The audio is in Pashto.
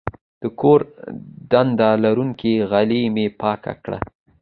د کور ډنډه لرونکې غالۍ مې پاکه کړه.